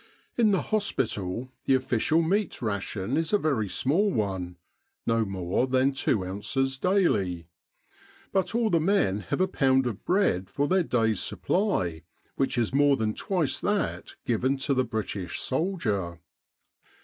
In the hospital the official meat ration is a very small one no more than two ounces daily. But all the men have a pound of bread for their day's supply, which ^is more than twice that given to the British soldier.